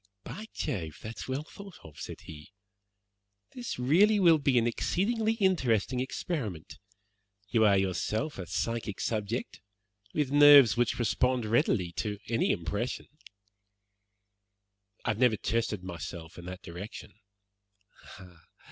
"By Jove, that's well thought of," said he. "This really will be an exceedingly interesting experiment. You are yourself a psychic subject with nerves which respond readily to any impression." "I have never tested myself in that direction."